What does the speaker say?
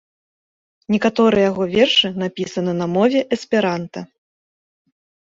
Некаторыя яго вершы напісаны на мове эсперанта.